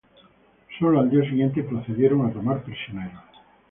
Solo al día siguiente procedieron a tomar prisioneros.